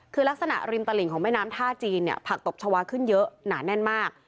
คือลักษณะริมตลิ่งของแม่น้ำท่าจีนเนี่ยผักตบชาวาขึ้นเยอะหนาแน่นมาก